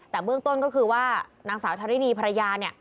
แต่เบื้องต้นก็คือว่านางสาวธรินีภรรยาเนี่ย